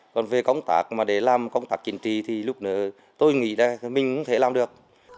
còn về công tác mà để làm công tác chiến trì thì lúc nửa tôi nghĩ là mình cũng thể làm được